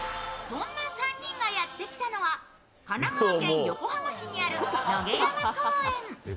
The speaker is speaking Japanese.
そんな３人がやってきたのは、神奈川県横須賀市にある野毛山公園。